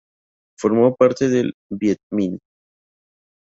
Formó parte del Vietminh.